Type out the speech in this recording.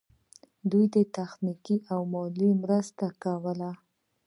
دوی تخنیکي او مالي مرستې کولې.